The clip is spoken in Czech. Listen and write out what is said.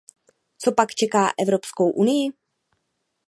Co pak čeká Evropskou unii?